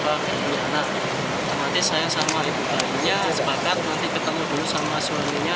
kalau tidak saya sama ibu bayinya sepakat nanti ketemu dulu sama suami